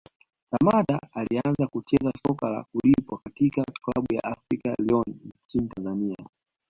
Samatta alianza kucheza soka la kulipwa katika klabu ya African Lyon nchini Tanzania